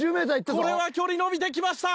これは距離伸びてきました。